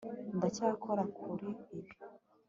Ndacyakora kuri ibi